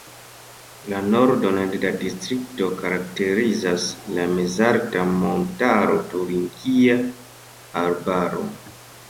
La nordon de la distrikto karakterizas la mezalta montaro Turingia Arbaro.